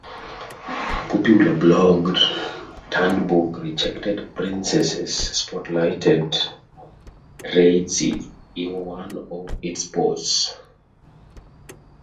Popular blog-turned-book Rejected Princesses spotlighted Freydis in one of its posts.